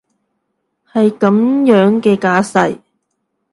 係噉樣嘅架勢？